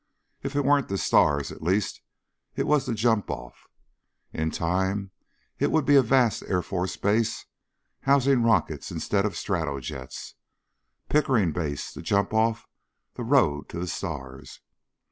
If it weren't the stars, at least it was the jump off. In time it would be a vast Air Force Base housing rockets instead of stratojets. Pickering Base the jump off the road to the stars.